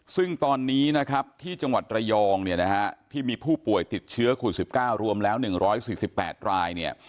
ซึ่งตอนนี้นะครับที่จังหวัดระยองเนี่ยนะฮะที่มีผู้ป่วยติดเชื้อโควิด๑๙รวมแล้ว๑๔๘รายเนี่ย